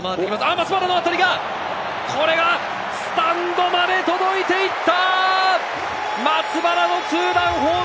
松原の当たりがスタンドまで届いていった！